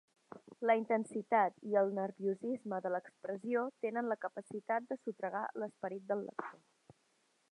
La intensitat i el nerviosisme de l'expressió tenen la capacitat de sotragar l'esperit del lector.